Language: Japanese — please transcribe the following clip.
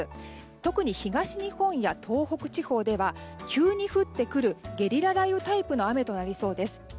特に東日本や東北地方では急に降ってくるゲリラ雷雨のタイプの雨になりそうです。